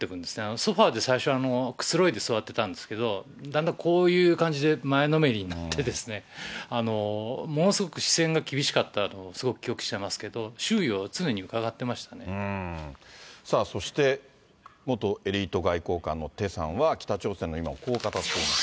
ソファで最初、くつろいで座ってたんですけど、だんだん、こういう感じで前のめりになってですね、ものすごく視線が厳しかったのをすごく記憶してますけど、そして、元エリート外交官のテさんは北朝鮮の今をこう語っています。